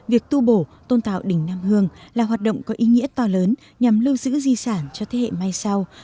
việc tu bổ tôn tạo đình nam hương là hoạt động có ý nghĩa to lớn nhằm lưu giữ di sản cho thế hệ mai sau